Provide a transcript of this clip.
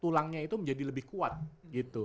tulangnya itu menjadi lebih kuat gitu